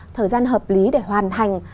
thời gian hợp lý để hoàn thành